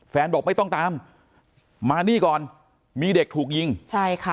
บอกไม่ต้องตามมานี่ก่อนมีเด็กถูกยิงใช่ค่ะ